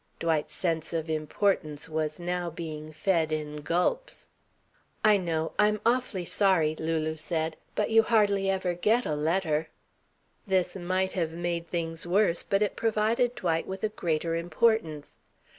Dwight's sense of importance was now being fed in gulps. "I know. I'm awfully sorry," Lulu said, "but you hardly ever get a letter " This might have made things worse, but it provided Dwight with a greater importance.